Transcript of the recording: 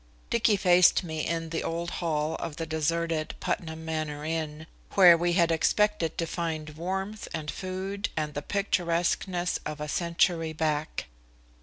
Dicky faced me in the old hall of the deserted Putnam Manor Inn, where we had expected to find warmth and food and the picturesqueness of a century back.